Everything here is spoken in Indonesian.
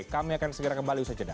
kami akan segera kembali usaha jeda